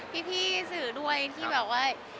พี่สื่อด้วยที่แบบว่า